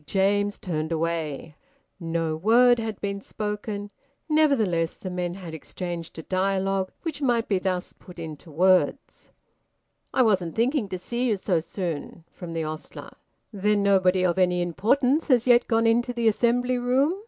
Big James turned away. No word had been spoken; nevertheless, the men had exchanged a dialogue which might be thus put into words "I wasn't thinking to see ye so soon," from the ostler. "Then nobody of any importance has yet gone into the assembly room?"